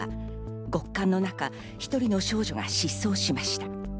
極寒の中、１人の少女が失踪しました。